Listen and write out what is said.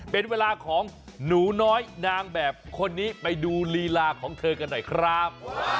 เป็นเวลาของหนูน้อยนางแบบคนนี้ไปดูลีลาของเธอกันหน่อยครับ